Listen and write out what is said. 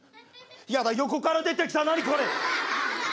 やだ横から出てきた何これ。